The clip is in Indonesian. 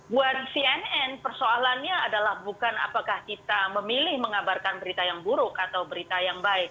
buat cnn persoalannya adalah bukan apakah kita memilih mengabarkan berita yang buruk atau berita yang baik